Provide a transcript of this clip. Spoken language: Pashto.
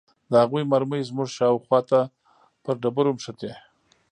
د هغوى مرمۍ زموږ شاوخوا ته پر ډبرو مښتې.